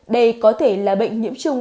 đây có thể là bệnh nhiễm trùng